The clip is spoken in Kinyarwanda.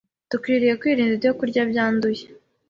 Dukwiriye kwirinda ibyokurya byanduye